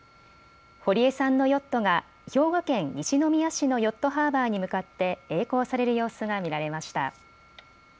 堀江さんのヨットが兵庫県西宮市のヨットハーバーに向かってえい航される様子が見られました。